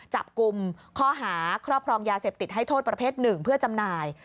จับกลุ่มข้อหาครอบครองยาเสพติดให้โทษประเภทหนึ่งเพื่อจำหน่าย